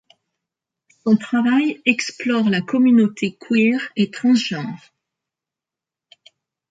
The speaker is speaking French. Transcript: Son travail explore la communauté queer et transgenre.